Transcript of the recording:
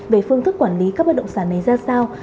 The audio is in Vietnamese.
về phương thức quản lý các bất động sản này ra sao